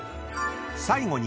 ［最後に］